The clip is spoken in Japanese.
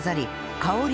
香り